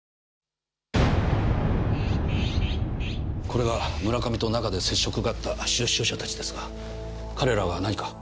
これが村上と中で接触があった出所者たちですが彼らが何か？